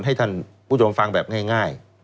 ให้ท่านผู้ชมฟังแบบง่าย